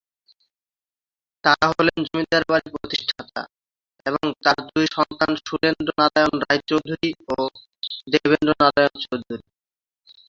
তারা হলেন জমিদার বাড়ির প্রতিষ্ঠাতা এবং তার দুই সন্তান সুরেন্দ্র নারায়ণ রায় চৌধুরী ও দেবেন্দ্র নারায়ণ চৌধুরী।